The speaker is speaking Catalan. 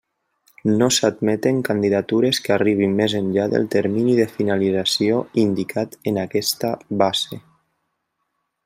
No s'admeten candidatures que arribin més enllà del termini de finalització indicat en aquesta base.